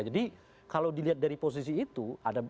jadi kalau dilihat dari posisi itu